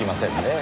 え！